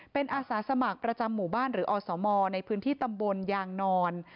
เป็นอาสาสมัครประจำหมู่บ้านหรืออสมในพื้นที่ตำบลยางนอน